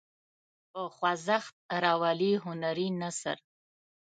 په خوځښت راولي هنري نثر.